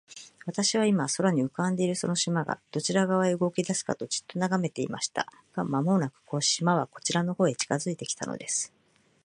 私は、今、空に浮んでいるその島が、どちら側へ動きだすかと、じっと眺めていました。が、間もなく、島はこちらの方へ近づいて来たのです。